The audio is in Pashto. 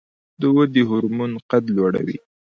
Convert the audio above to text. د ودې هورمون قد لوړوي